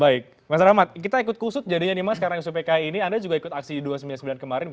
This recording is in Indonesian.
baik mas rahmat kita ikut kusut jadinya nih mas karena isu pki ini anda juga ikut aksi u dua ratus sembilan puluh sembilan kemarin